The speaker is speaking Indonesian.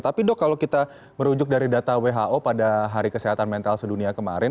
tapi dok kalau kita merujuk dari data who pada hari kesehatan mental sedunia kemarin